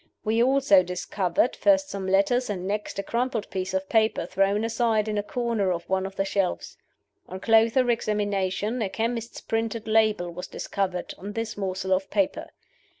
We also discovered, first some letters, and next a crumpled piece of paper thrown aside in a corner of one of the shelves. On closer examination, a chemist's printed label was discovered on this morsel of paper.